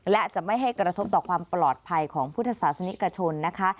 และจะไม่ให้กระทบต่อความปลอดภัยของพุทธศาสนิกชนนะคะ